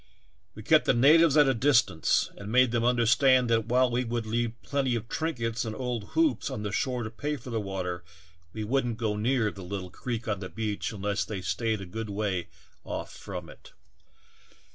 We kept the natives at a distance and made them under stand that while we would leave plenty of trinkets and old hoops on the shore to pay for the water we would n't go near the little creek on the beach unless they staid a good way off from it.